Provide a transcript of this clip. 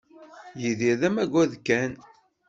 Yidir d amaggad kan.